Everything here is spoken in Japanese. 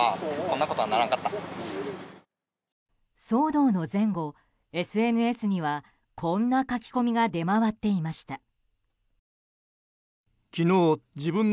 騒動の前後、ＳＮＳにはこんな書き込みが出回っていました。